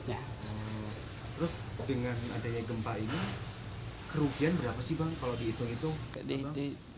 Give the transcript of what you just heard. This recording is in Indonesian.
terus dengan adanya gempa ini kerugian berapa sih bang kalau dihitung hitung